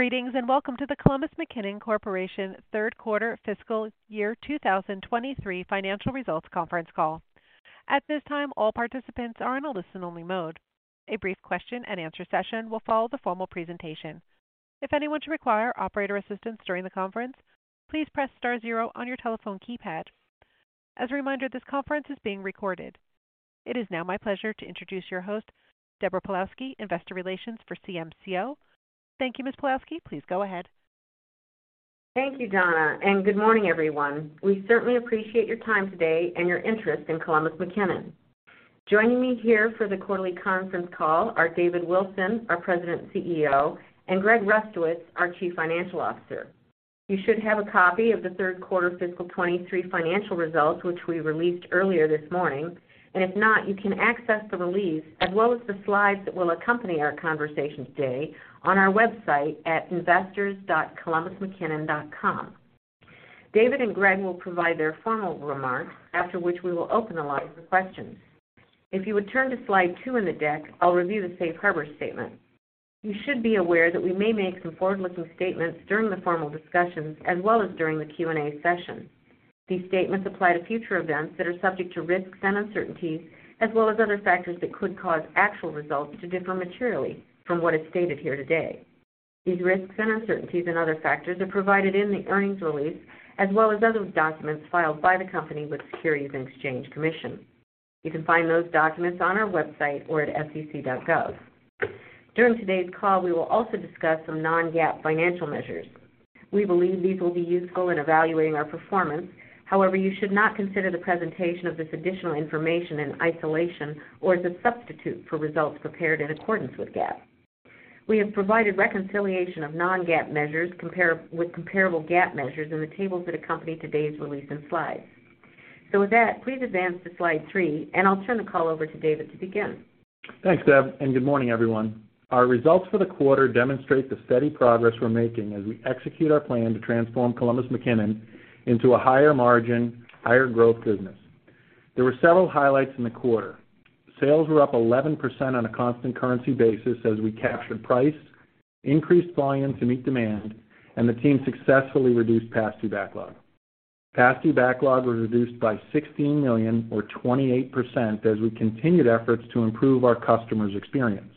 Greetings, welcome to the Columbus McKinnon Corporation third quarter fiscal year 2023 financial results conference call. At this time, all participants are in a listen-only mode. A brief question-and-answer session will follow the formal presentation. If anyone should require operator assistance during the conference, please press star zero on your telephone keypad. As a reminder, this conference is being recorded. It is now my pleasure to introduce your host, Deborah Pawlowski, Investor Relations for CMCO. Thank you, Ms. Pawlowski. Please go ahead. Thank you, Donna. Good morning, everyone. We certainly appreciate your time today and your interest in Columbus McKinnon. Joining me here for the quarterly conference call are David Wilson, our President and CEO, and Greg Rustowicz, our Chief Financial Officer. You should have a copy of the third quarter fiscal 2023 financial results, which we released earlier this morning, and if not, you can access the release as well as the slides that will accompany our conversation today on our website at investors.columbusmckinnon.com. David and Greg will provide their formal remarks, after which we will open the line for questions. If you would turn to slide 2 in the deck, I'll review the Safe Harbor statement. You should be aware that we may make some forward-looking statements during the formal discussions as well as during the Q&A session. These statements apply to future events that are subject to risks and uncertainties as well as other factors that could cause actual results to differ materially from what is stated here today. These risks and uncertainties and other factors are provided in the earnings release as well as other documents filed by the company with the Securities and Exchange Commission. You can find those documents on our website or at sec.gov. During today's call, we will also discuss some non-GAAP financial measures. We believe these will be useful in evaluating our performance. However, you should not consider the presentation of this additional information in isolation or as a substitute for results prepared in accordance with GAAP. We have provided reconciliation of non-GAAP measures with comparable GAAP measures in the tables that accompany today's release and slides. With that, please advance to slide 3, and I'll turn the call over to David to begin. Thanks, Deb, and good morning, everyone. Our results for the quarter demonstrate the steady progress we're making as we execute our plan to transform Columbus McKinnon into a higher margin, higher growth business. There were several highlights in the quarter. Sales were up 11% on a constant currency basis as we captured price, increased volume to meet demand, and the team successfully reduced past due backlog. Past due backlog was reduced by $16 million or 28% as we continued efforts to improve our customers' experience.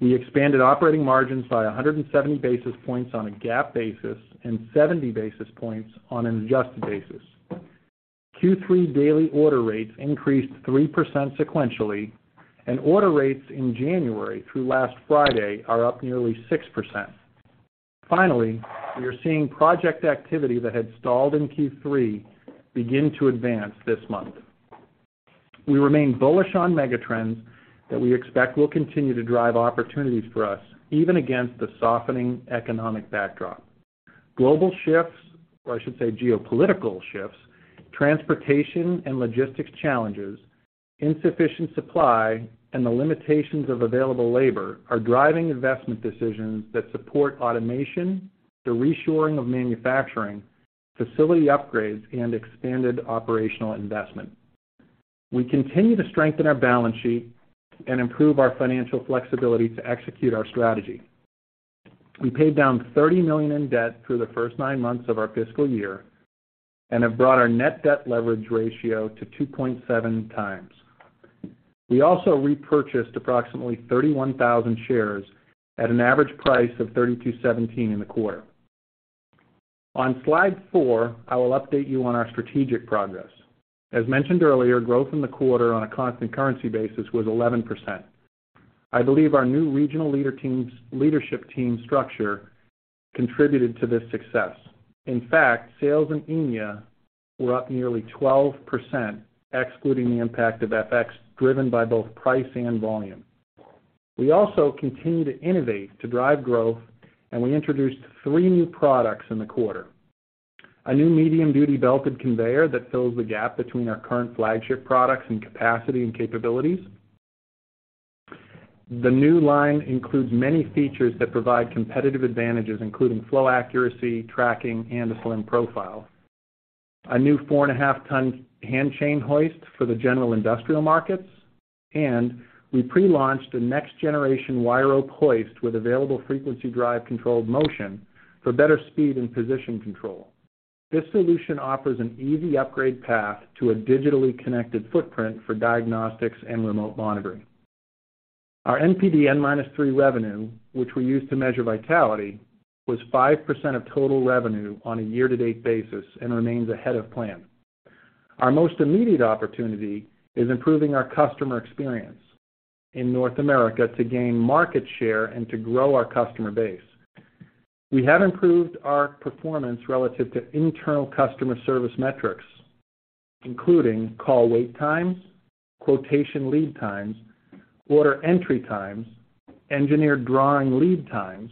We expanded operating margins by 170 basis points on a GAAP basis and 70 basis points on an adjusted basis. Q3 daily order rates increased 3% sequentially, and order rates in January through last Friday are up nearly 6%. Finally, we are seeing project activity that had stalled in Q3 begin to advance this month. We remain bullish on megatrends that we expect will continue to drive opportunities for us even against the softening economic backdrop. Global shifts, or I should say geopolitical shifts, transportation and logistics challenges, insufficient supply, and the limitations of available labor are driving investment decisions that support automation, the reshoring of manufacturing, facility upgrades, and expanded operational investment. We continue to strengthen our balance sheet and improve our financial flexibility to execute our strategy. We paid down $30 million in debt through the first 9 months of our fiscal year and have brought our net debt leverage ratio to 2.7x. We also repurchased approximately 31,000 shares at an average price of $32.17 in the quarter. On slide 4, I will update you on our strategic progress. As mentioned earlier, growth in the quarter on a constant currency basis was 11%. I believe our new regional leadership team structure contributed to this success. In fact, sales in EMEA were up nearly 12%, excluding the impact of FX, driven by both price and volume. We also continue to innovate to drive growth, we introduced 3 new products in the quarter. A new medium-duty belted conveyor that fills the gap between our current flagship products in capacity and capabilities. The new line includes many features that provide competitive advantages, including flow accuracy, tracking, and a slim profile. A new 4.5 ton hand chain hoist for the general industrial markets. We pre-launched a next generation wire rope hoist with available frequency drive controlled motion for better speed and position control. This solution offers an easy upgrade path to a digitally connected footprint for diagnostics and remote monitoring. Our NPD N-3 revenue, which we use to measure vitality, was 5% of total revenue on a year-to-date basis and remains ahead of plan. Our most immediate opportunity is improving our customer experience in North America to gain market share and to grow our customer base. We have improved our performance relative to internal customer service metrics, including call wait times, quotation lead times, order entry times, engineer drawing lead times,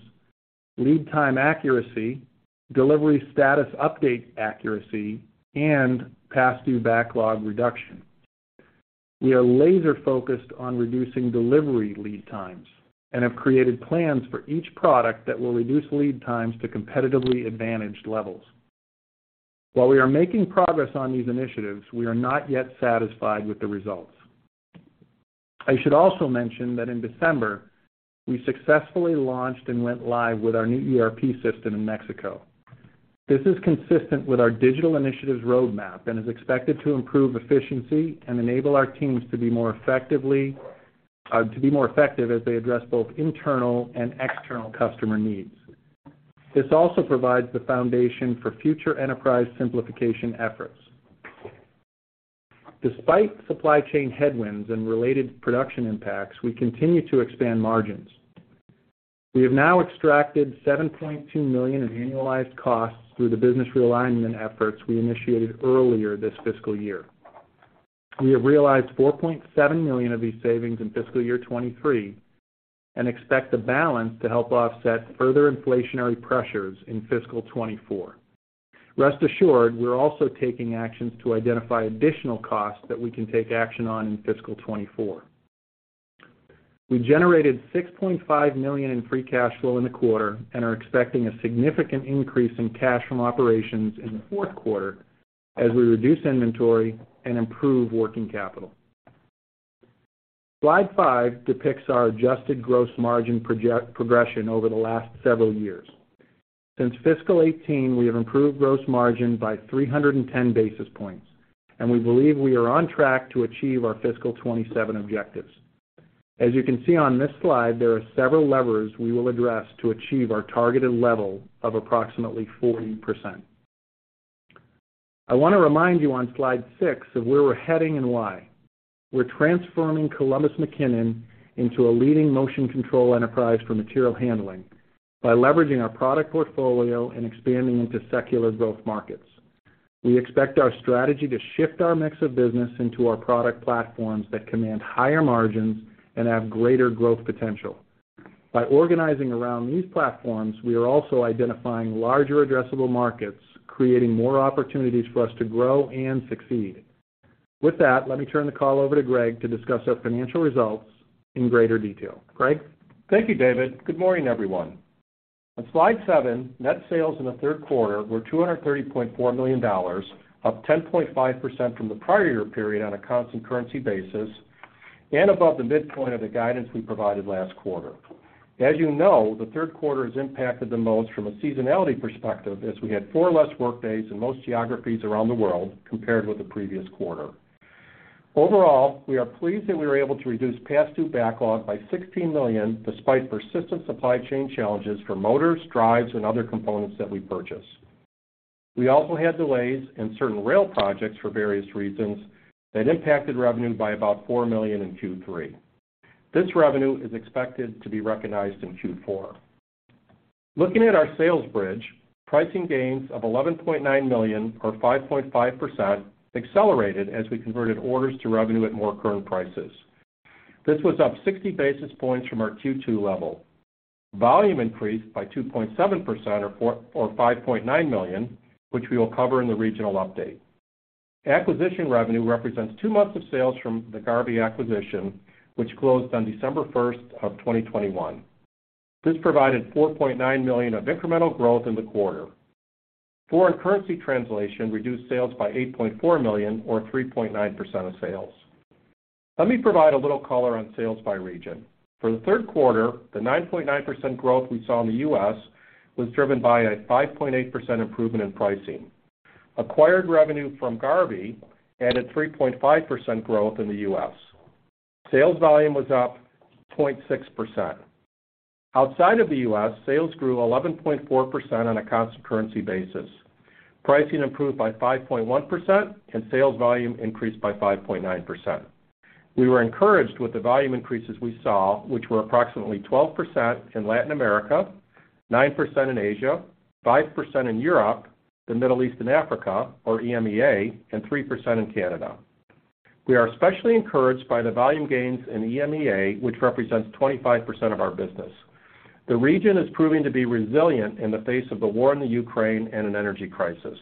lead time accuracy, delivery status update accuracy, and past due backlog reduction. We are laser focused on reducing delivery lead times and have created plans for each product that will reduce lead times to competitively advantaged levels. While we are making progress on these initiatives, we are not yet satisfied with the results. I should also mention that in December, we successfully launched and went live with our new ERP system in Mexico. This is consistent with our digital initiatives roadmap and is expected to improve efficiency and enable our teams to be more effective as they address both internal and external customer needs. This also provides the foundation for future enterprise simplification efforts. Despite supply chain headwinds and related production impacts, we continue to expand margins. We have now extracted $7.2 million in annualized costs through the business realignment efforts we initiated earlier this fiscal year. We have realized $4.7 million of these savings in fiscal year 2023 and expect the balance to help offset further inflationary pressures in fiscal 2024. Rest assured, we're also taking actions to identify additional costs that we can take action on in fiscal 2024. We generated $6.5 million in free cash flow in the quarter and are expecting a significant increase in cash from operations in the fourth quarter as we reduce inventory and improve working capital. Slide 5 depicts our adjusted gross margin progression over the last several years. Since fiscal 18, we have improved gross margin by 310 basis points, and we believe we are on track to achieve our fiscal 27 objectives. As you can see on this slide, there are several levers we will address to achieve our targeted level of approximately 40%. I wanna remind you on slide 6 of where we're heading and why. We're transforming Columbus McKinnon into a leading motion control enterprise for material handling by leveraging our product portfolio and expanding into secular growth markets. We expect our strategy to shift our mix of business into our product platforms that command higher margins and have greater growth potential. By organizing around these platforms, we are also identifying larger addressable markets, creating more opportunities for us to grow and succeed. With that, let me turn the call over to Greg to discuss our financial results in greater detail. Greg? Thank you, David. Good morning, everyone. On slide 7, net sales in the third quarter were $230.4 million, up 10.5% from the prior year period on a constant currency basis and above the midpoint of the guidance we provided last quarter. As you know, the third quarter is impacted the most from a seasonality perspective, as we had 4 less workdays in most geographies around the world compared with the previous quarter. Overall, we are pleased that we were able to reduce past due backlog by $16 million, despite persistent supply chain challenges for motors, drives, and other components that we purchase. We also had delays in certain rail projects for various reasons that impacted revenue by about $4 million in Q3. This revenue is expected to be recognized in Q4. Looking at our sales bridge, pricing gains of $11.9 million or 5.5% accelerated as we converted orders to revenue at more current prices. This was up 60 basis points from our Q2 level. Volume increased by 2.7% or $5.9 million, which we will cover in the regional update. Acquisition revenue represents 2 months of sales from the Garvey acquisition, which closed on December 1st of 2021. This provided $4.9 million of incremental growth in the quarter. Foreign currency translation reduced sales by $8.4 million or 3.9% of sales. Let me provide a little color on sales by region. For the 3rd quarter, the 9.9% growth we saw in the U.S. was driven by a 5.8% improvement in pricing. Acquired revenue from Garvey added 3.5% growth in the U.S. Sales volume was up 0.6%. Outside of the U.S., sales grew 11.4% on a constant currency basis. Pricing improved by 5.1%, and sales volume increased by 5.9%. We were encouraged with the volume increases we saw, which were approximately 12% in Latin America, 9% in Asia, 5% in Europe, the Middle East and Africa, or EMEA, and 3% in Canada. We are especially encouraged by the volume gains in EMEA, which represents 25% of our business. The region is proving to be resilient in the face of the war in the Ukraine and an energy crisis.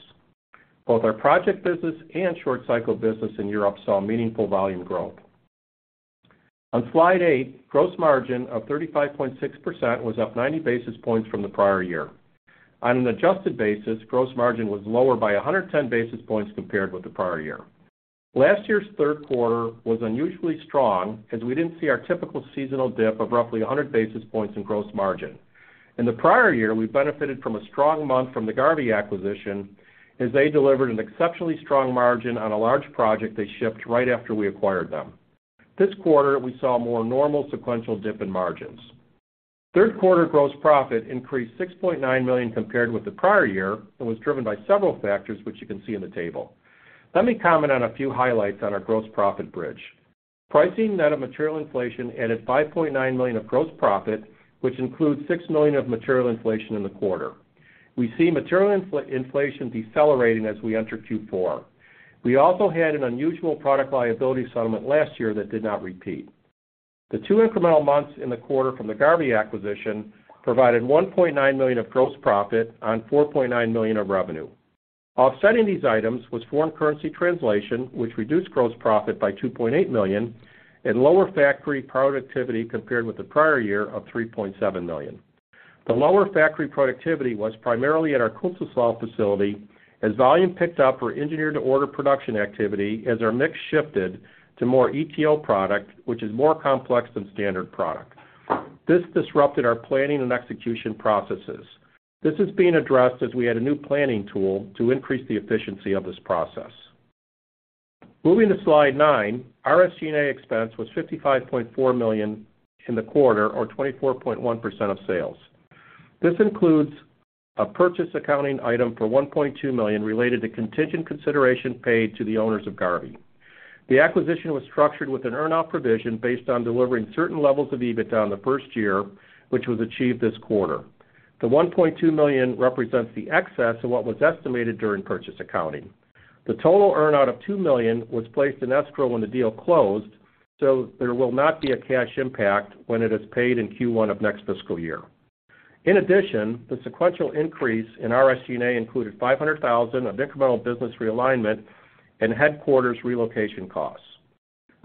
Both our project business and short cycle business in Europe saw meaningful volume growth. On slide 8, gross margin of 35.6% was up 90 basis points from the prior year. On an adjusted basis, gross margin was lower by 110 basis points compared with the prior year. Last year's third quarter was unusually strong as we didn't see our typical seasonal dip of roughly 100 basis points in gross margin. In the prior year, we benefited from a strong month from the Garvey acquisition as they delivered an exceptionally strong margin on a large project they shipped right after we acquired them. This quarter, we saw a more normal sequential dip in margins. Third quarter gross profit increased $6.9 million compared with the prior year and was driven by several factors which you can see in the table. Let me comment on a few highlights on our gross profit bridge. Pricing net of material inflation added $5.9 million of gross profit, which includes $6 million of material inflation in the quarter. We see material inflation decelerating as we enter Q4. We also had an unusual product liability settlement last year that did not repeat. The two incremental months in the quarter from the Garvey acquisition provided $1.9 million of gross profit on $4.9 million of revenue. Offsetting these items was foreign currency translation, which reduced gross profit by $2.8 million and lower factory productivity compared with the prior year of $3.7 million. The lower factory productivity was primarily at our Künzelsau facility as volume picked up for engineer-to-order production activity as our mix shifted to more ETO product, which is more complex than standard product. This disrupted our planning and execution processes. This is being addressed as we add a new planning tool to increase the efficiency of this process. Moving to slide 9, our SG&A expense was $55.4 million in the quarter, or 24.1% of sales. This includes a purchase accounting item for $1.2 million related to contingent consideration paid to the owners of Garvey. The acquisition was structured with an earn-out provision based on delivering certain levels of EBITDA in the first year, which was achieved this quarter. The $1.2 million represents the excess of what was estimated during purchase accounting. The total earn-out of $2 million was placed in escrow when the deal closed. There will not be a cash impact when it is paid in Q1 of next fiscal year. In addition, the sequential increase in our SG&A included $500,000 of incremental business realignment and headquarters relocation costs.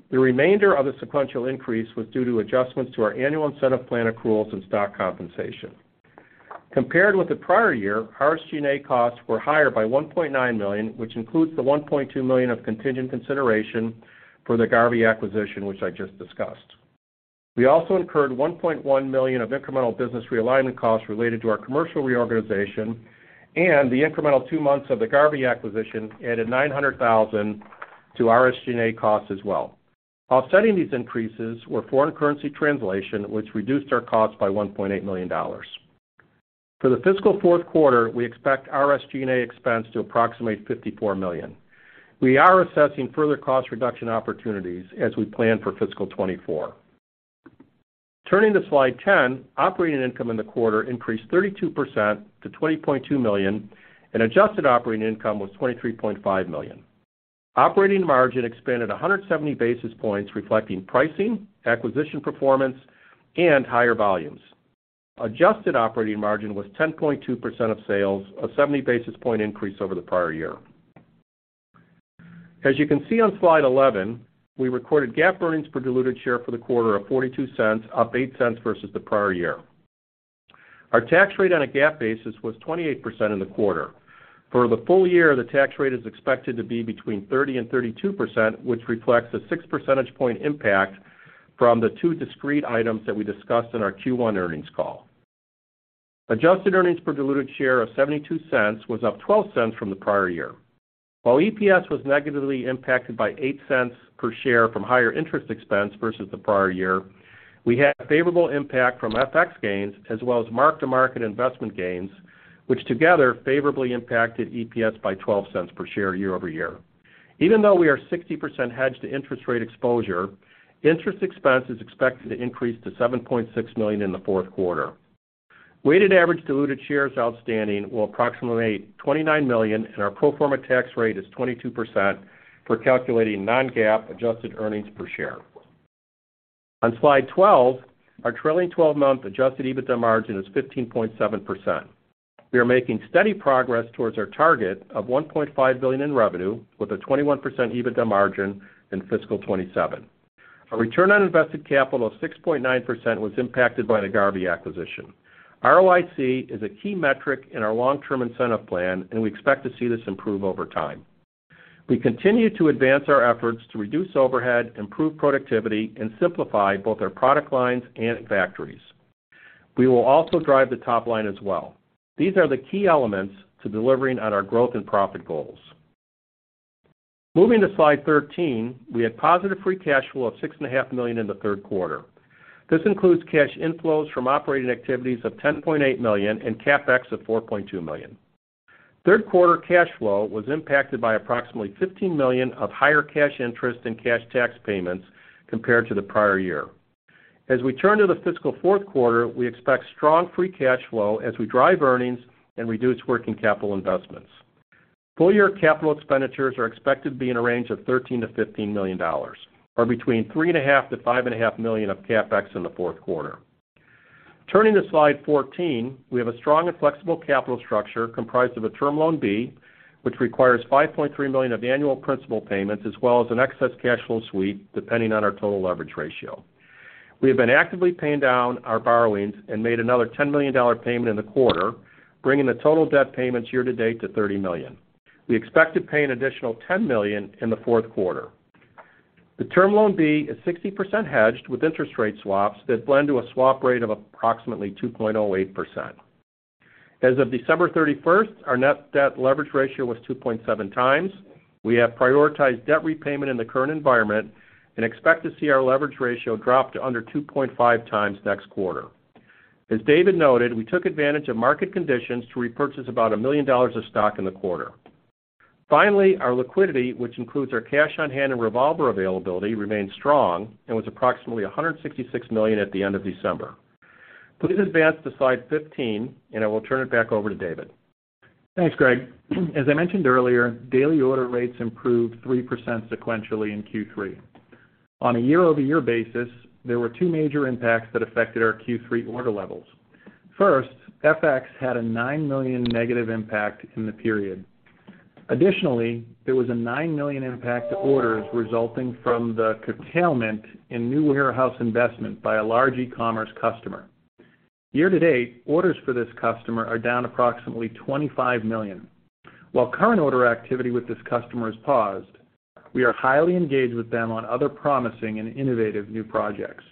The remainder of the sequential increase was due to adjustments to our annual incentive plan accruals and stock compensation. Compared with the prior year, our SG&A costs were higher by $1.9 million, which includes the $1.2 million of contingent consideration for the Garvey acquisition, which I just discussed. We also incurred $1.1 million of incremental business realignment costs related to our commercial reorganization, and the incremental 2 months of the Garvey acquisition added $900,000 to our SG&A costs as well. Offsetting these increases were foreign currency translation, which reduced our costs by $1.8 million. For the fiscal fourth quarter, we expect our SG&A expense to approximate $54 million. We are assessing further cost reduction opportunities as we plan for fiscal 2024. Turning to slide 10, operating income in the quarter increased 32% to $20.2 million, and adjusted operating income was $23.5 million. Operating margin expanded 170 basis points, reflecting pricing, acquisition performance, and higher volumes. Adjusted operating margin was 10.2% of sales, a 70 basis point increase over the prior year. As you can see on Slide 11, we recorded GAAP earnings per diluted share for the quarter of $0.42, up $0.08 versus the prior year. Our tax rate on a GAAP basis was 28% in the quarter. For the full year, the tax rate is expected to be between 30% and 32%, which reflects a 6 percentage point impact from the two discrete items that we discussed in our Q1 earnings call. Adjusted earnings per diluted share of $0.72 was up $0.12 from the prior year. While EPS was negatively impacted by $0.08 per share from higher interest expense versus the prior year, we had a favorable impact from FX gains as well as mark-to-market investment gains, which together favorably impacted EPS by $0.12 per share year-over-year. Even though we are 60% hedged to interest rate exposure, interest expense is expected to increase to $7.6 million in the fourth quarter. Weighted average diluted shares outstanding will approximate 29 million, and our pro forma tax rate is 22% for calculating non-GAAP adjusted earnings per share. On slide 12, our trailing 12-month adjusted EBITDA margin is 15.7%. We are making steady progress towards our target of $1.5 billion in revenue with a 21% EBITDA margin in fiscal 2027. Our return on invested capital of 6.9% was impacted by the Garvey acquisition. ROIC is a key metric in our long-term incentive plan, and we expect to see this improve over time. We continue to advance our efforts to reduce overhead, improve productivity, and simplify both our product lines and factories. We will also drive the top line as well. These are the key elements to delivering on our growth and profit goals. Moving to slide 13, we had positive free cash flow of $6.5 million in the third quarter. This includes cash inflows from operating activities of $10.8 million and CapEx of $4.2 million. Third quarter cash flow was impacted by approximately $15 million of higher cash interest and cash tax payments compared to the prior year. As we turn to the fiscal fourth quarter, we expect strong free cash flow as we drive earnings and reduce working capital investments. Full year capital expenditures are expected to be in a range of $13 million-$15 million, or between $3.5 million-$5.5 million of CapEx in the fourth quarter. Turning to slide 14, we have a strong and flexible capital structure comprised of a Term Loan B, which requires $5.3 million of annual principal payments as well as an excess cash flow sweep, depending on our total leverage ratio. We have been actively paying down our borrowings and made another $10 million payment in the quarter, bringing the total debt payments year to date to $30 million. We expect to pay an additional $10 million in the fourth quarter. The Term Loan B is 60% hedged with interest rate swaps that blend to a swap rate of approximately 2.08%. As of December 31st, our net debt leverage ratio was 2.7x. We have prioritized debt repayment in the current environment and expect to see our leverage ratio drop to under 2.5x next quarter. As David noted, we took advantage of market conditions to repurchase about $1 million of stock in the quarter. Our liquidity, which includes our cash on hand and revolver availability, remains strong and was approximately $166 million at the end of December. Please advance to slide 15, I will turn it back over to David. Thanks, Greg. As I mentioned earlier, daily order rates improved 3% sequentially in Q3. On a year-over-year basis, there were two major impacts that affected our Q3 order levels. First, FX had a $9 million negative impact in the period. Additionally, there was a $9 million impact to orders resulting from the curtailment in new warehouse investment by a large e-commerce customer. Year to date, orders for this customer are down approximately $25 million. While current order activity with this customer is paused, we are highly engaged with them on other promising and innovative new projects.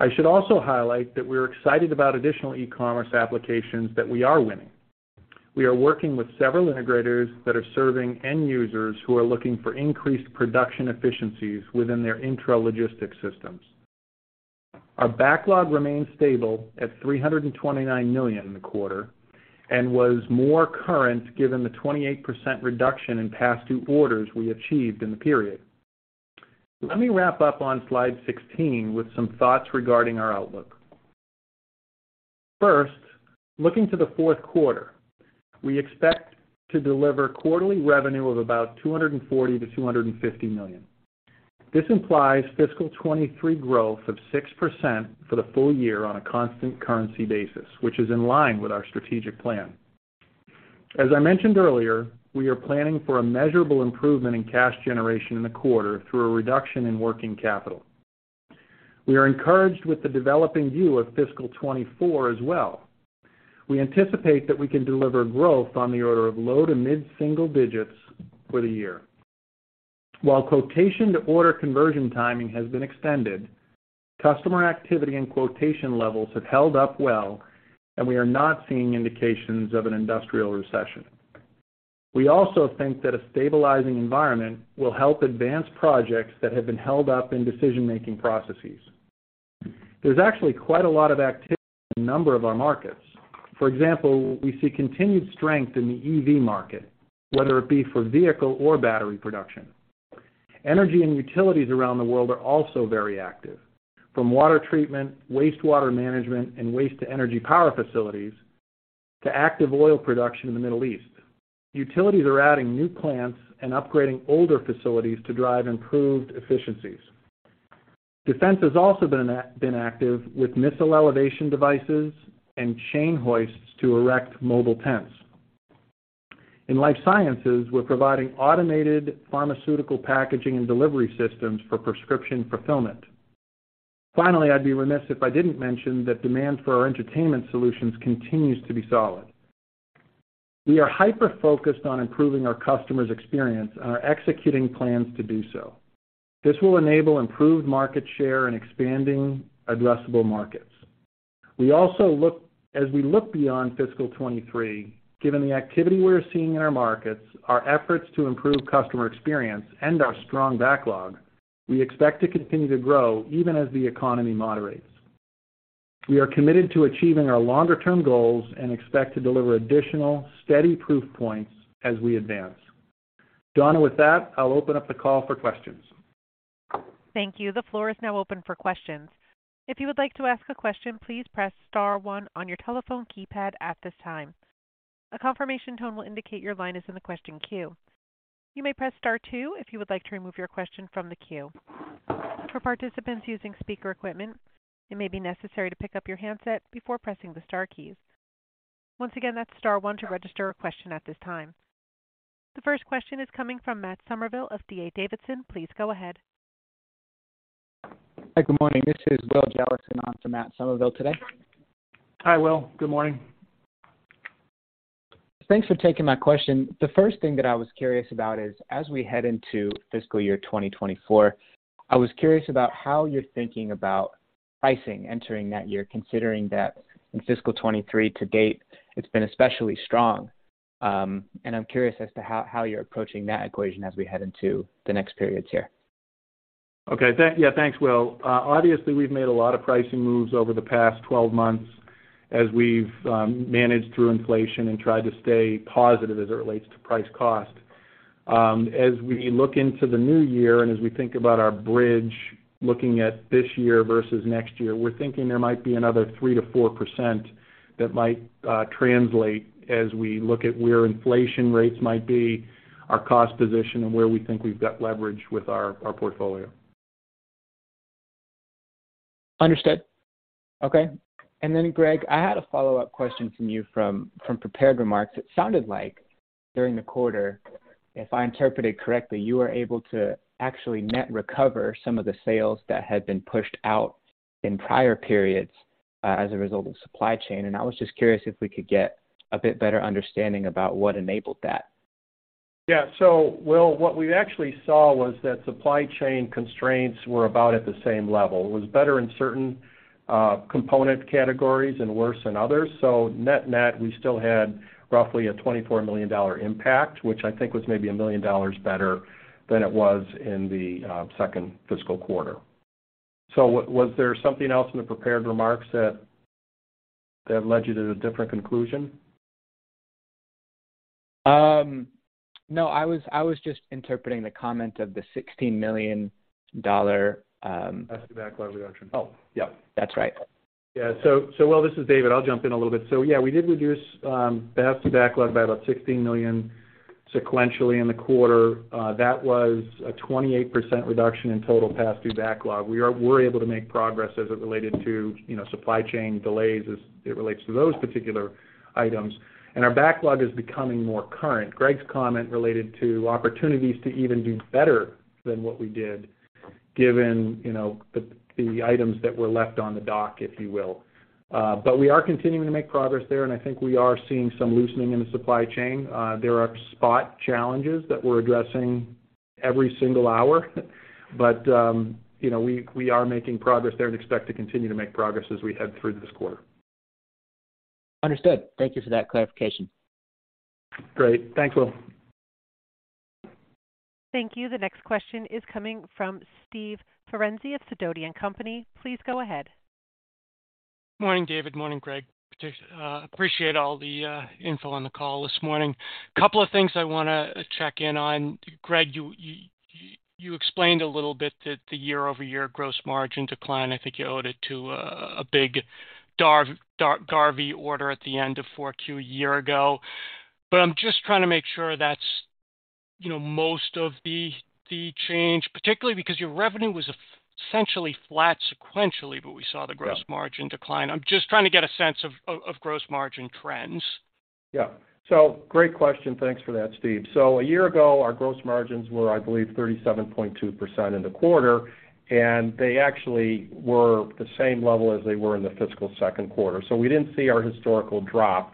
I should also highlight that we're excited about additional e-commerce applications that we are winning. We are working with several integrators that are serving end users who are looking for increased production efficiencies within their intralogistics systems. Our backlog remains stable at $329 million in the quarter, was more current given the 28% reduction in past two orders we achieved in the period. Let me wrap up on slide 16 with some thoughts regarding our outlook. First, looking to the fourth quarter, we expect to deliver quarterly revenue of about $240 million-$250 million. This implies fiscal 2023 growth of 6% for the full year on a constant currency basis, which is in line with our strategic plan. As I mentioned earlier, we are planning for a measurable improvement in cash generation in the quarter through a reduction in working capital. We are encouraged with the developing view of fiscal 2024 as well. We anticipate that we can deliver growth on the order of low to mid-single digits for the year. While quotation to order conversion timing has been extended, customer activity and quotation levels have held up well, and we are not seeing indications of an industrial recession. We also think that a stabilizing environment will help advance projects that have been held up in decision-making processes. There's actually quite a lot of activity in a number of our markets. For example, we see continued strength in the EV market, whether it be for vehicle or battery production. Energy and utilities around the world are also very active, from water treatment, wastewater management, and waste-to-energy power facilities, to active oil production in the Middle East. Utilities are adding new plants and upgrading older facilities to drive improved efficiencies. Defense has also been active with missile elevation devices and chain hoists to erect mobile tents. In life sciences, we're providing automated pharmaceutical packaging and delivery systems for prescription fulfillment. Finally, I'd be remiss if I didn't mention that demand for our entertainment solutions continues to be solid. We are hyper-focused on improving our customers' experience and are executing plans to do so. This will enable improved market share and expanding addressable markets. As we look beyond fiscal 2023, given the activity we're seeing in our markets, our efforts to improve customer experience and our strong backlog, we expect to continue to grow even as the economy moderates. We are committed to achieving our longer-term goals and expect to deliver additional steady proof points as we advance. Donna, with that, I'll open up the call for questions. Thank you. The floor is now open for questions. If you would like to ask a question, please press star one on your telephone keypad at this time. A confirmation tone will indicate your line is in the question queue. You may press star two if you would like to remove your question from the queue. For participants using speaker equipment, it may be necessary to pick up your handset before pressing the star keys. Once again, that's star one to register a question at this time. The first question is coming from Matt Summerville of D.A. Davidson. Please go ahead. Hi. Good morning. This is Will Jellison on for Matthew Summerville today. Hi, Will. Good morning. Thanks for taking my question. The first thing that I was curious about is, as we head into fiscal year 2024, I was curious about how you're thinking about pricing entering that year, considering that in fiscal 2023 to date, it's been especially strong. I'm curious as to how you're approaching that equation as we head into the next periods here. Okay. Yeah, thanks, Will. Obviously, we've made a lot of pricing moves over the past 12 months as we've managed through inflation and tried to stay positive as it relates to price cost. As we look into the new year and as we think about our bridge looking at this year versus next year, we're thinking there might be another 3%-4% that might translate as we look at where inflation rates might be, our cost position, and where we think we've got leverage with our portfolio. Understood. Okay. Greg, I had a follow-up question from you from prepared remarks. It sounded like during the quarter, if I interpreted correctly, you were able to actually net recover some of the sales that had been pushed out in prior periods as a result of supply chain. I was just curious if we could get a bit better understanding about what enabled that. Yeah. Will, what we actually saw was that supply chain constraints were about at the same level. It was better in certain component categories and worse than others. Net-net, we still had roughly a $24 million impact, which I think was maybe $1 million better than it was in the second fiscal quarter. Was there something else in the prepared remarks that led you to a different conclusion? No, I was just interpreting the comment of the $16 million. Past due backlog reduction. Oh, yeah. That's right. Will, this is David. I'll jump in a little bit. Yeah, we did reduce past due backlog by about $16 million sequentially in the quarter. That was a 28% reduction in total past due backlog. We're able to make progress as it related to, you know, supply chain delays as it relates to those particular items. Our backlog is becoming more current. Greg's comment related to opportunities to even do better than what we did given, you know, the items that were left on the dock, if you will. We are continuing to make progress there, and I think we are seeing some loosening in the supply chain. There are spot challenges that we're addressing every single hour. You know, we are making progress there and expect to continue to make progress as we head through this quarter. Understood. Thank you for that clarification. Great. Thanks, Will. Thank you. The next question is coming from Steve Ferazani of Sidoti & Company. Please go ahead. Morning, David. Morning, Greg. Appreciate all the info on the call this morning. A couple of things I wanna check in on. Greg, you explained a little bit that the year-over-year gross margin decline, I think you owed it to a big Garvey order at the end of four Q a year ago. I'm just trying to make sure that's, you know, most of the change, particularly because your revenue was essentially flat sequentially, but we saw the gross margin decline. I'm just trying to get a sense of gross margin trends. Great question. Thanks for that, Steve. A year ago, our gross margins were, I believe, 37.2% in the quarter, and they actually were the same level as they were in the fiscal second quarter. We didn't see our historical drop.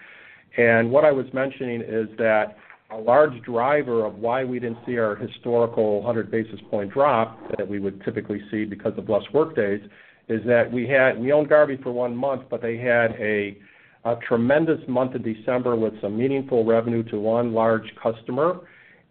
What I was mentioning is that a large driver of why we didn't see our historical 100 basis point drop that we would typically see because of less workdays, is that we owned Garvey for one month, but they had a tremendous month of December with some meaningful revenue to one large customer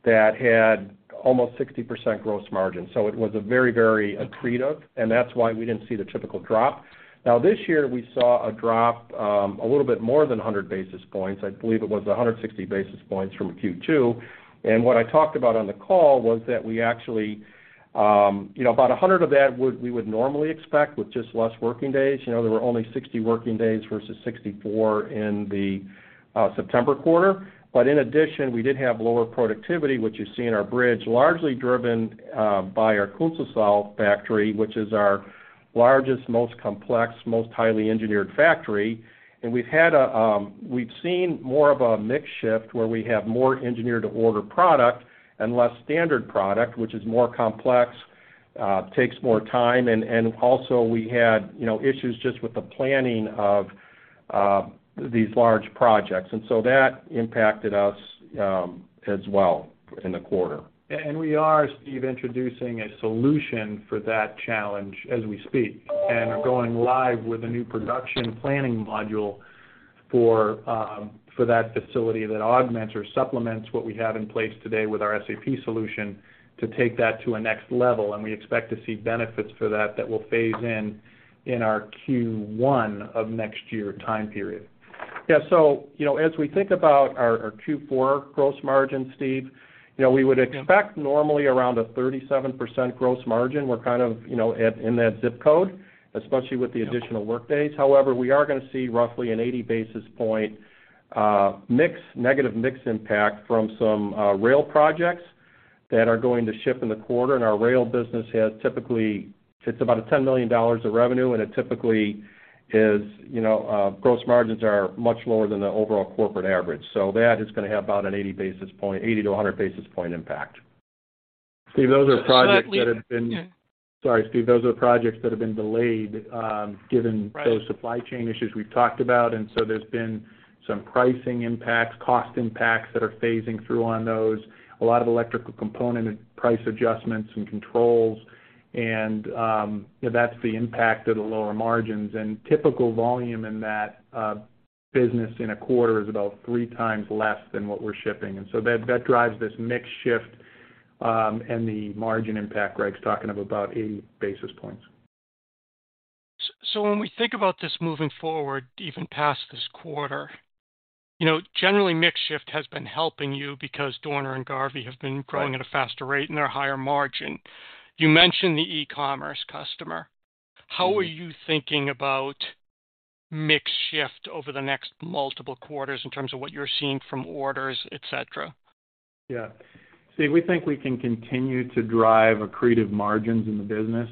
that had almost 60% gross margin. It was a very, very accretive, and that's why we didn't see the typical drop. Now, this year we saw a drop, a little bit more than 100 basis points. I believe it was 160 basis points from Q2. What I talked about on the call was that we actually, you know, about 100 of that we would normally expect with just less working days. You know, there were only 60 working days versus 64 in the September quarter. In addition, we did have lower productivity, which you see in our bridge, largely driven by our Künzelsau factory, which is our largest, most complex, most highly engineered factory. We've had a, we've seen more of a mix shift where we have more engineer-to-order product and less standard product, which is more complex, takes more time. Also we had, you know, issues just with the planning of these large projects. That impacted us as well in the quarter. We are, Steve, introducing a solution for that challenge as we speak, and are going live with a new production planning module for that facility that augments or supplements what we have in place today with our SAP solution to take that to a next level. We expect to see benefits for that that will phase in in our Q1 of next year time period. You know, as we think about our Q4 gross margin, Steve, you know, we would expect normally around a 37% gross margin. We're kind of, you know, at, in that ZIP code, especially with the additional workdays. However, we are gonna see roughly an 80 basis point mix, negative mix impact from some rail projects that are going to ship in the quarter. Our rail business has typically, it's about a $10 million of revenue, and it typically is, you know, gross margins are much lower than the overall corporate average. That is gonna have about an 80 basis point, 80-100 basis point impact. Steve, those are projects that have been. So I believe. Sorry, Steve. Those are projects that have been delayed given those supply chain issues we've talked about. There's been some pricing impacts, cost impacts that are phasing through on those. A lot of electrical component price adjustments and controls. That's the impact of the lower margins. Typical volume in that business in a quarter is about 3x less than what we're shipping. That drives this mix shift, and the margin impact Greg's talking about 80 basis points. When we think about this moving forward, even past this quarter, you know, generally, mix shift has been helping you because Dorner and Garvey have been growing at a faster rate and are higher margin. You mentioned the e-commerce customer. How are you thinking about mix shift over the next multiple quarters in terms of what you're seeing from orders, et cetera? Yeah. Steve, we think we can continue to drive accretive margins in the business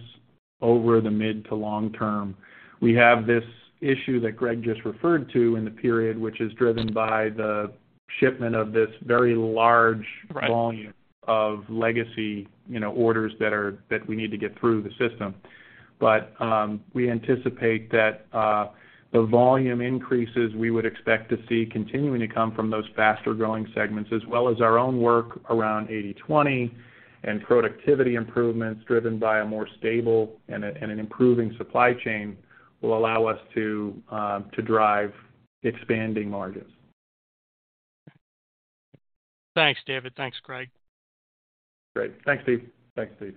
over the mid to long term. We have this issue that Greg just referred to in the period, which is driven by the shipment of this very large volume of legacy, you know, orders that we need to get through the system. We anticipate that the volume increases we would expect to see continuing to come from those faster-growing segments, as well as our own work around 80/20 and productivity improvements driven by a more stable and an improving supply chain will allow us to drive expanding margins. Thanks, David. Thanks, Greg. Great. Thanks, Steve. Thanks, Steve.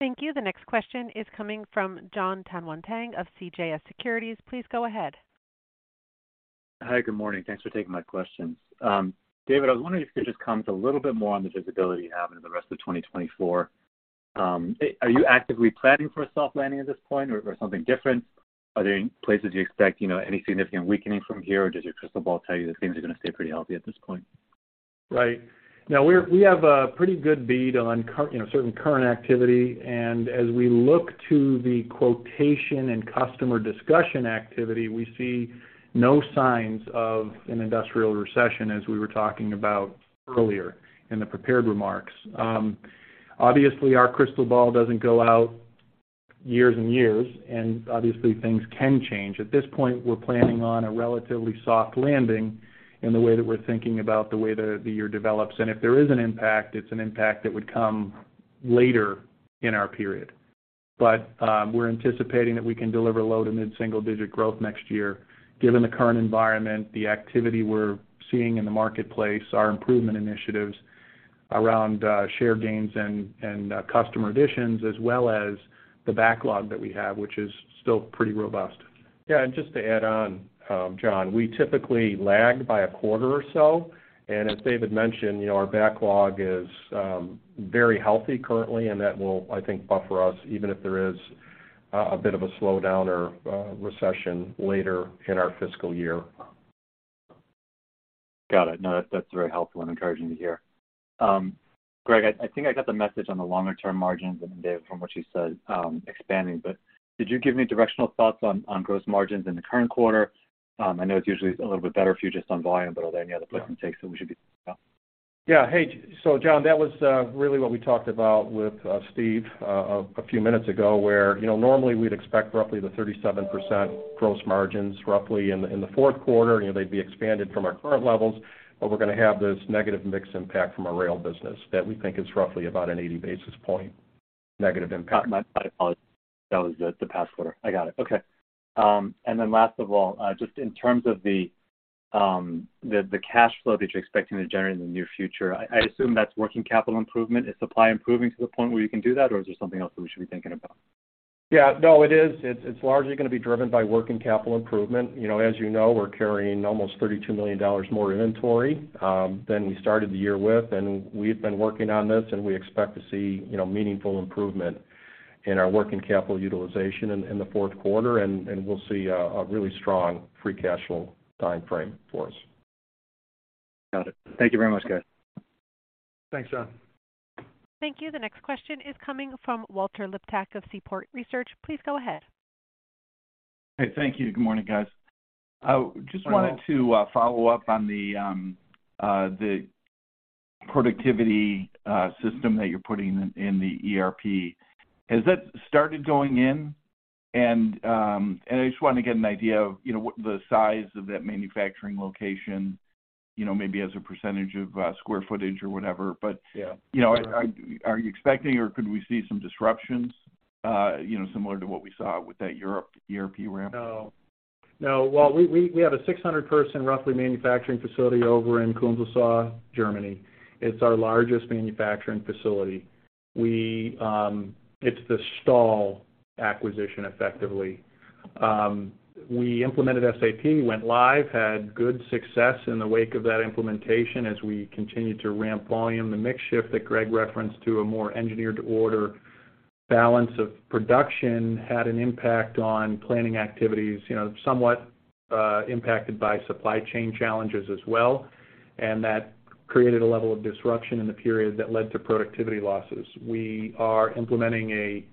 Thank you. The next question is coming from Jon Tanwanteng of CJS Securities. Please go ahead. Hi, good morning. Thanks for taking my questions. David, I was wondering if you could just comment a little bit more on the visibility you have in the rest of 2024. Are you actively planning for a soft landing at this point or something different? Are there any places you expect, you know, any significant weakening from here, or does your crystal ball tell you that things are gonna stay pretty healthy at this point? Right. Now we have a pretty good bead on you know, certain current activity. As we look to the quotation and customer discussion activity, we see no signs of an industrial recession as we were talking about earlier in the prepared remarks. Obviously, our crystal ball doesn't go out years and years, obviously things can change. At this point, we're planning on a relatively soft landing in the way that we're thinking about the way the year develops. If there is an impact, it's an impact that would come later in our period. We're anticipating that we can deliver low to mid-single digit growth next year given the current environment, the activity we're seeing in the marketplace, our improvement initiatives around share gains and customer additions, as well as the backlog that we have, which is still pretty robust. Yeah, just to add on, Jon, we typically lag by a quarter or so, and as David mentioned, you know, our backlog is very healthy currently, and that will, I think, buffer us even if there is a bit of a slowdown or recession later in our fiscal year. Got it. No, that's very helpful and encouraging to hear. Greg, I think I got the message on the longer-term margins and, Dave, from what you said, expanding. Could you give me directional thoughts on gross margins in the current quarter? I know it's usually a little bit better if you just on volume. Are there any other plus or takes that we should be? Yeah. Hey, Jon, that was really what we talked about with Steve a few minutes ago, where, you know, normally we'd expect roughly the 37% gross margins roughly in the fourth quarter. You know, they'd be expanded from our current levels, we're gonna have this negative mix impact from our rail business that we think is roughly about an 80 basis point negative impact. My apologies. That was the past quarter. I got it. Okay. Last of all, just in terms of the cash flow that you're expecting to generate in the near future, I assume that's working capital improvement. Is supply improving to the point where you can do that, or is there something else that we should be thinking about? Yeah. No, it is. It's largely gonna be driven by working capital improvement. You know, as you know, we're carrying almost $32 million more inventory than we started the year with, and we've been working on this, and we expect to see, you know, meaningful improvement in our working capital utilization in the fourth quarter, and we'll see a really strong free cash flow time frame for us. Got it. Thank you very much, guys. Thanks, Jon. Thank you. The next question is coming from Walter Liptak of Seaport Research. Please go ahead. Hey, thank you. Good morning, guys. just wanted to follow up on the productivity system that you're putting in the ERP. Has that started going in? I just wanna get an idea of, you know, what the size of that manufacturing location, you know, maybe as a % of square footage or whatever. You know, are you expecting or could we see some disruptions, you know, similar to what we saw with that Europe ERP ramp? No. No. Well, we have a 600 person, roughly, manufacturing facility over in Künzelsau, Germany. It's our largest manufacturing facility. We, it's the STAHL acquisition effectively. We implemented SAP, went live, had good success in the wake of that implementation as we continued to ramp volume. The mix shift that Greg referenced to a more engineer-to-order balance of production had an impact on planning activities, you know, somewhat impacted by supply chain challenges as well. That created a level of disruption in the period that led to productivity losses. We are implementing a,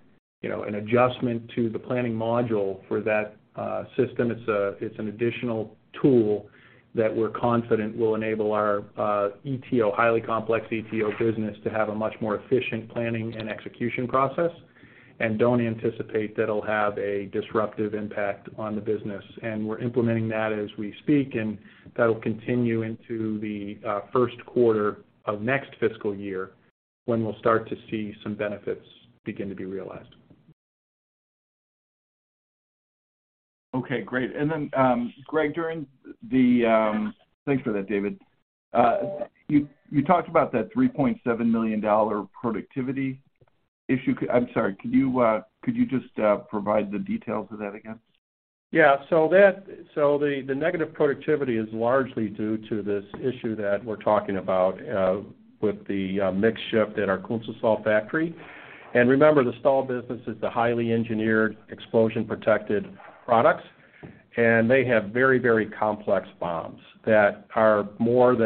you know, an adjustment to the planning module for that system. It's an additional tool that we're confident will enable our ETO, highly complex ETO business to have a much more efficient planning and execution process and don't anticipate that it'll have a disruptive impact on the business. We're implementing that as we speak, and that'll continue into the first quarter of next fiscal year when we'll start to see some benefits begin to be realized. Okay, great. Greg, during the, thanks for that, David. You talked about that $3.7 million productivity issue. I'm sorry, could you just provide the details of that again? Yeah. The negative productivity is largely due to this issue that we're talking about with the mix shift at our Künzelsau factory. Remember, the Stahl business is the highly engineered explosion-protected products, and they have very, very complex BOMs that are much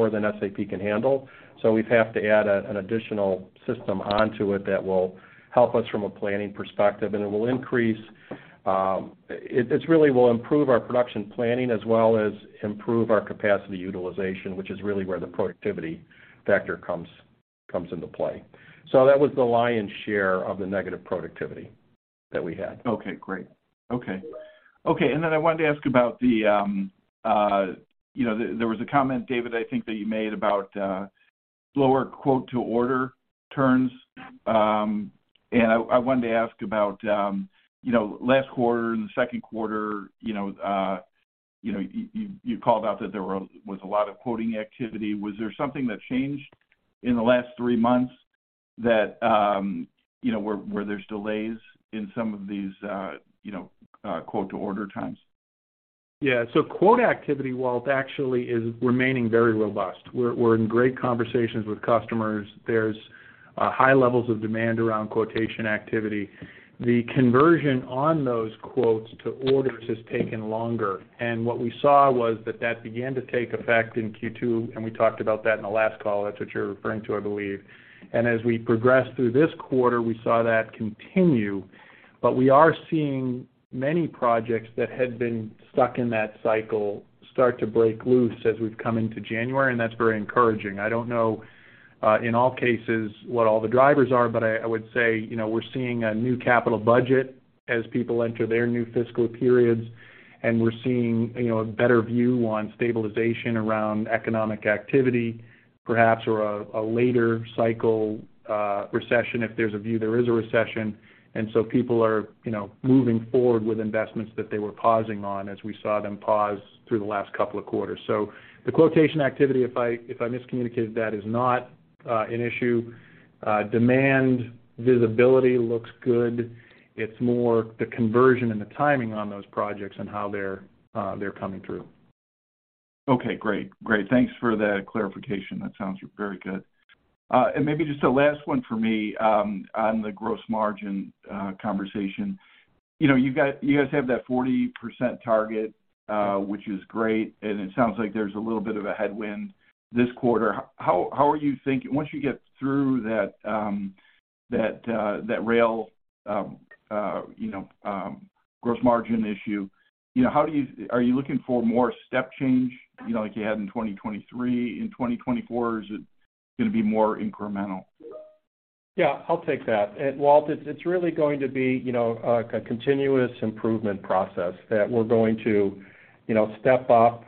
more than SAP can handle. We have to add an additional system onto it that will help us from a planning perspective, and it really will improve our production planning as well as improve our capacity utilization, which is really where the productivity factor comes into play. That was the lion's share of the negative productivity that we had. Okay, great. Okay. Okay. Then I wanted to ask about the, you know, there was a comment, David, I think that you made about lower quote-to-order turns. I wanted to ask about, you know, last quarter and the second quarter, you know, you called out that there was a lot of quoting activity. Was there something that changed in the last three months that, you know, where there's delays in some of these, you know, quote-to-order times? Quote activity, Walt, actually is remaining very robust. We're in great conversations with customers. There's high levels of demand around quotation activity. The conversion on those quotes to orders has taken longer. What we saw was that that began to take effect in Q2. We talked about that in the last call. That's what you're referring to, I believe. As we progressed through this quarter, we saw that continue but we are seeing many projects that had been stuck in that cycle start to break loose as we've come into January. That's very encouraging. I don't know, in all cases what all the drivers are, but I would say, you know, we're seeing a new capital budget as people enter their new fiscal periods, and we're seeing, you know, a better view on stabilization around economic activity, perhaps, or a later cycle, recession, if there's a view there is a recession. People are, you know, moving forward with investments that they were pausing on as we saw them pause through the last couple of quarters. The quotation activity, if I miscommunicated that, is not an issue. Demand visibility looks good. It's more the conversion and the timing on those projects and how they're coming through. Okay, great. Great. Thanks for the clarification. That sounds very good. And maybe just a last one for me, on the gross margin conversation. You know, you guys have that 40% target, which is great, and it sounds like there's a little bit of a headwind this quarter. How are you thinking? Once you get through that rail gross margin issue, you know, how do you? Are you looking for more step change, you know, like you had in 2023, in 2024, or is it going to be more incremental? Yeah, I'll take that. Walt, it's really going to be, you know, a continuous improvement process that we're going to, you know, step up.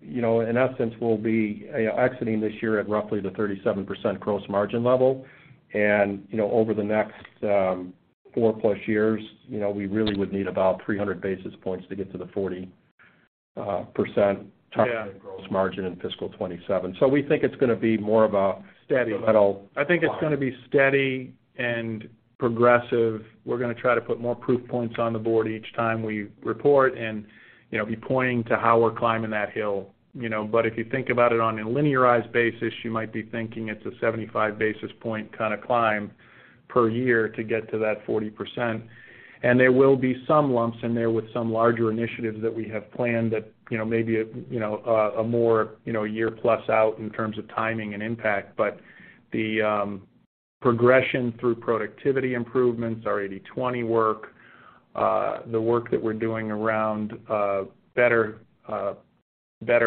You know, in essence, we'll be, you know, exiting this year at roughly the 37% gross margin level. Over the next, 4+ years, you know, we really would need about 300 basis points to get to the 40% target gross margin in fiscal 2027. We think it's going to be more of steady level. I think it's gonna be steady and progressive. We're gonna try to put more proof points on the board each time we report and, you know, be pointing to how we're climbing that hill, you know. If you think about it on a linearized basis, you might be thinking it's a 75 basis point kinda climb per year to get to that 40%. There will be some lumps in there with some larger initiatives that we have planned that, you know, maybe a more year+ out in terms of timing and impact. The progression through productivity improvements, our 80/20 work, the work that we're doing around better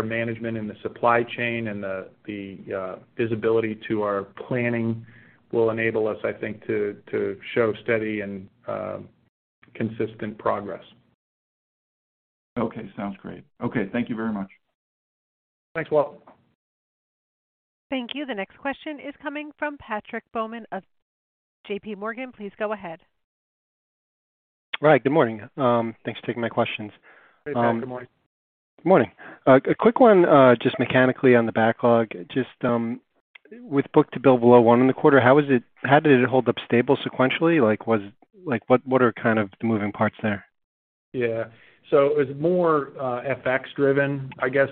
management in the supply chain and the visibility to our planning will enable us, I think, to show steady and consistent progress. Okay, sounds great. Okay, thank you very much. Thanks, Walt. Thank you. The next question is coming from Patrick Baumann of JPMorgan. Please go ahead. Good morning. Thanks for taking my questions. Hey, Pat. Good morning. Good morning. A quick one, just mechanically on the backlog. Just, with book-to-bill below 1 in the quarter, how did it hold up stable sequentially? Like, what are kind of the moving parts there? Yeah. It was more, FX-driven, I guess.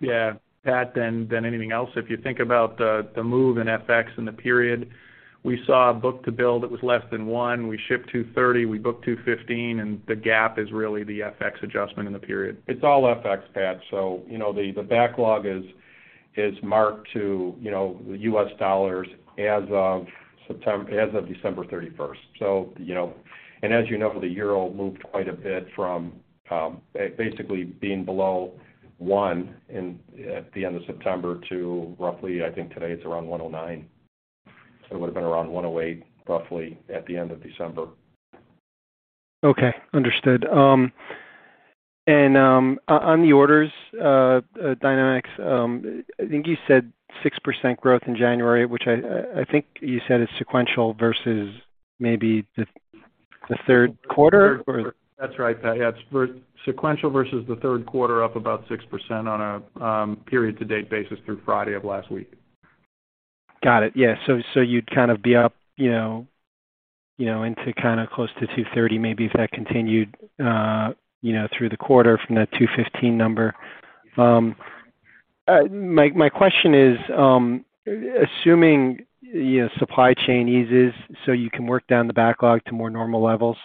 Yeah. Pat, than anything else. If you think about the move in FX in the period, we saw a book-to-bill that was less than one. We shipped $230, we booked $215, the gap is really the FX adjustment in the period. It's all FX, Pat. You know, the backlog is marked to, you know, the U.S. dollars as of December 31st. You know, the euro moved quite a bit from basically being below 1 in, at the end of September to roughly, I think today it's around 1.09. It would've been around 1.08 roughly at the end of December. Okay. Understood. On the orders, Dynamics, I think you said 6% growth in January, which I think you said is sequential versus maybe the third quarter, or? That's right, Pat. Yeah, it's sequential versus the third quarter up about 6% on a period-to-date basis through Friday of last week. Got it. Yeah. You'd kind of be up, you know, you know, into kinda close to 230 maybe if that continued, you know, through the quarter from that 215 number. My question is, assuming, you know, supply chain eases so you can work down the backlog to more normal levels,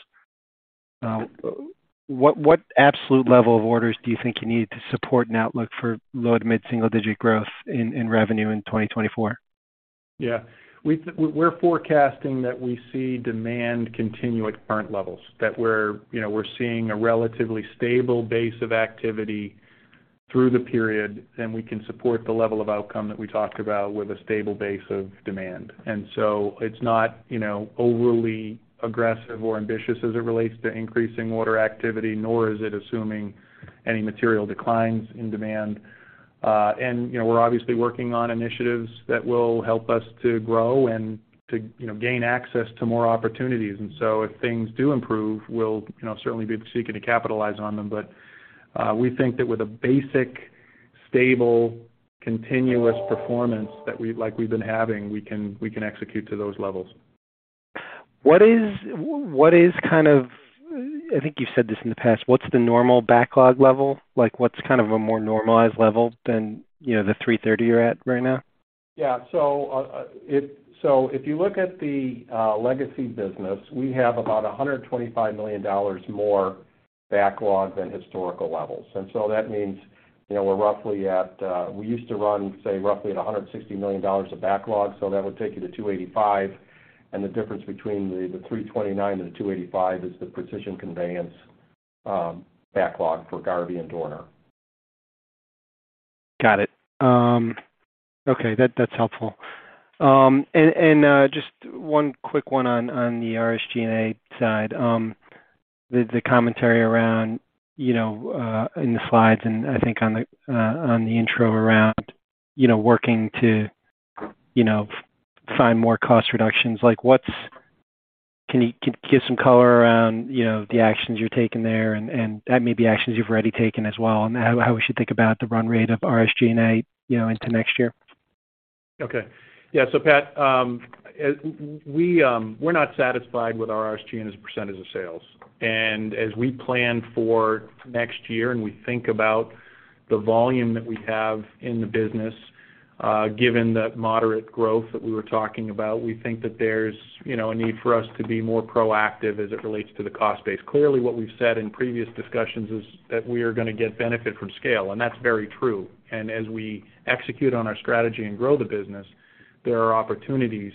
what absolute level of orders do you think you need to support an outlook for low to mid-single digit growth in revenue in 2024? We're forecasting that we see demand continue at current levels, that we're, you know, we're seeing a relatively stable base of activity through the period, and we can support the level of outcome that we talked about with a stable base of demand. It's not, you know, overly aggressive or ambitious as it relates to increasing order activity, nor is it assuming any material declines in demand. You know, we're obviously working on initiatives that will help us to grow and to, you know, gain access to more opportunities. If things do improve, we'll, you know, certainly be seeking to capitalize on them. We think that with a basic, stable, continuous performance that we've been having, we can, we can execute to those levels. What is kind of, I think you said this in the past, what's the normal backlog level? Like, what's kind of a more normalized level than, you know, the $330 you're at right now? If you look at the legacy business, we have about $125 million more backlog than historical levels. That means, you know, we're roughly at, we used to run, say roughly at $160 million of backlog, so that would take you to $285 million. The difference between the $329 million and the $285 million is the precision conveyance backlog for Garvey and Dorner. Got it. Okay, that's helpful. Just one quick one on the SG&A side. The commentary around, you know, in the slides and I think on the intro around, you know, working to, you know, find more cost reductions, like what's, can you give some color around, you know, the actions you're taking there and that may be actions you've already taken as well, and how we should think about the run rate of SG&A, you know, into next year? Okay. Yeah. Pat, we're not satisfied with our SG&A as a percentage of sales. As we plan for next year, and we think about the volume that we have in the business, given that moderate growth that we were talking about, we think that there's, you know, a need for us to be more proactive as it relates to the cost base. Clearly, what we've said in previous discussions is that we are gonna get benefit from scale, and that's very true. As we execute on our strategy and grow the business, there are opportunities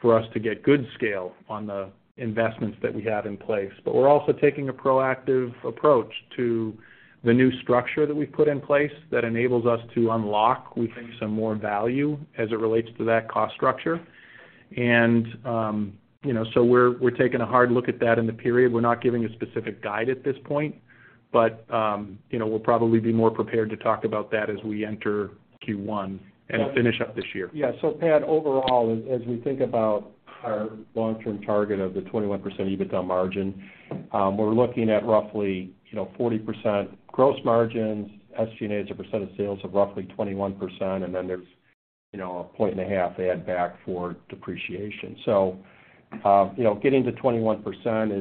for us to get good scale on the investments that we have in place. We're also taking a proactive approach to the new structure that we've put in place that enables us to unlock, we think, some more value as it relates to that cost structure. You know, we're taking a hard look at that in the period. We're not giving a specific guide at this point, you know, we'll probably be more prepared to talk about that as we enter Q1 and finish up this year. Yeah. Pat, overall as we think about our long-term target of the 21% EBITDA margin, we're looking at roughly, you know, 40% gross margins. SG&A as a percent of sales of roughly 21%, there's, you know, a point and a half add back for depreciation. You know, getting to 21%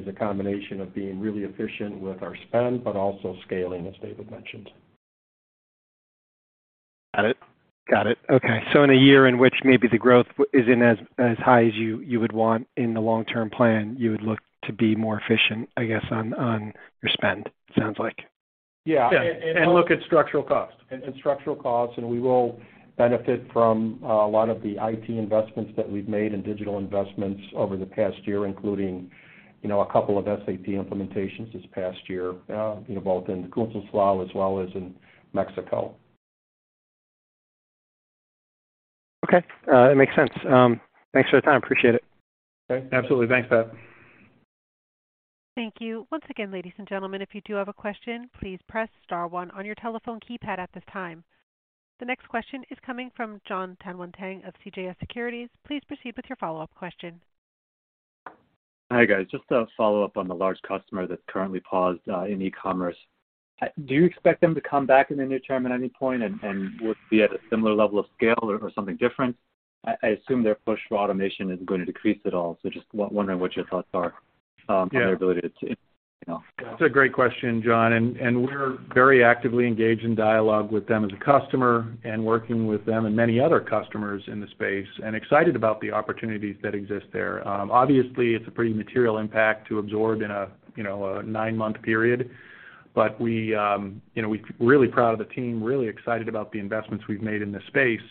is a combination of being really efficient with our spend, but also scaling, as David mentioned. Got it. Got it. Okay. In a year in which maybe the growth isn't as high as you would want in the long-term plan, you would look to be more efficient, I guess, on your spend, sounds like. Yeah. Yeah. Look at structural costs. structural costs, and we will benefit from a lot of the IT investments that we've made in digital investments over the past year, including, you know, a couple of SAP implementations this past year, you know, both in Künzelsau as well as in Mexico. Okay. That makes sense. Thanks for the time. Appreciate it. Okay. Absolutely. Thanks, Pat. Thank you. Once again, ladies and gentlemen, if you do have a question, please press star one on your telephone keypad at this time. The next question is coming from Jon Tanwanteng of CJS Securities. Please proceed with your follow-up question. Hi, guys. Just a follow-up on the large customer that's currently paused in e-commerce. Do you expect them to come back in the near-term at any point, and would it be at a similar level of scale or something different? I assume their push for automation isn't gonna decrease at all, so just wondering what your thoughts are on their ability to you know. That's a great question, Jon, we're very actively engaged in dialogue with them as a customer and working with them and many other customers in the space and excited about the opportunities that exist there. Obviously, it's a pretty material impact to absorb in a, you know, a 9-month period. We, you know, we're really proud of the team, really excited about the investments we've made in this space,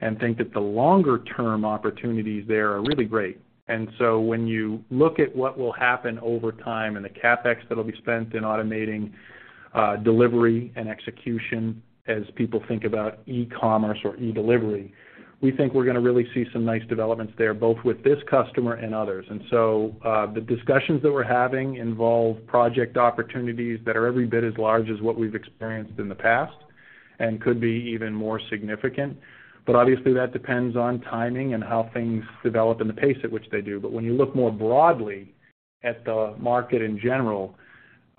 and think that the longer-term opportunities there are really great. When you look at what will happen over time and the CapEx that'll be spent in automating, delivery and execution as people think about e-commerce or e-delivery, we think we're gonna really see some nice developments there, both with this customer and others. The discussions that we're having involve project opportunities that are every bit as large as what we've experienced in the past and could be even more significant. Obviously that depends on timing and how things develop and the pace at which they do. When you look more broadly at the market in general,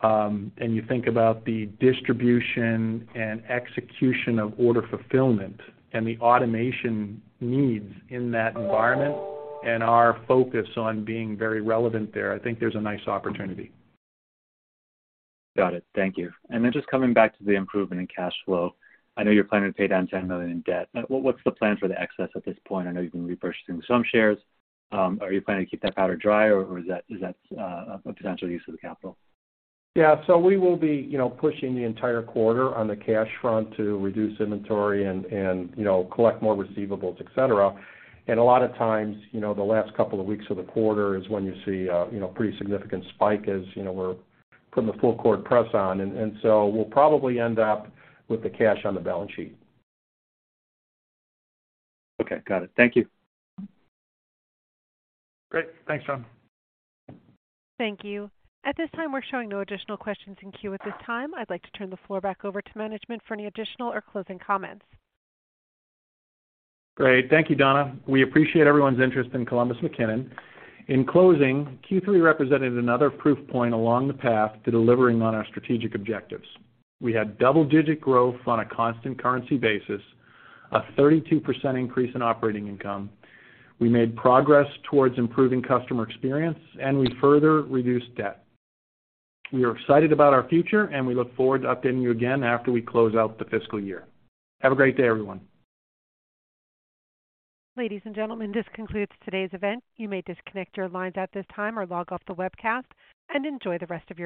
and you think about the distribution and execution of order fulfillment and the automation needs in that environment and our focus on being very relevant there, I think there's a nice opportunity. Got it. Thank you. Just coming back to the improvement in cash flow, I know you're planning to pay down $10 million in debt. What's the plan for the excess at this point? I know you've been repurchasing some shares. Are you planning to keep that powder dry, or is that a potential use of the capital? Yeah. We will be, you know, pushing the entire quarter on the cash front to reduce inventory and, you know, collect more receivables, et cetera. A lot of times, you know, the last couple of weeks of the quarter is when you see a, you know, pretty significant spike as, you know, we're putting the full court press on. So we'll probably end up with the cash on the balance sheet. Okay. Got it. Thank you. Great. Thanks, Jon. Thank you. At this time, we're showing no additional questions in queue at this time. I'd like to turn the floor back over to management for any additional or closing comments. Great. Thank you, Donna. We appreciate everyone's interest in Columbus McKinnon. In closing, Q3 represented another proof point along the path to delivering on our strategic objectives. We had double-digit growth on a constant currency basis, a 32% increase in operating income. We made progress towards improving customer experience, and we further reduced debt. We are excited about our future, and we look forward to updating you again after we close out the fiscal year. Have a great day, everyone. Ladies and gentlemen, this concludes today's event. You may disconnect your lines at this time or log off the webcast and enjoy the rest of your day.